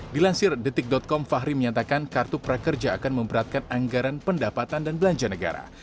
dilansir detik com fahri menyatakan kartu prakerja akan memberatkan anggaran pendapatan dan belanja negara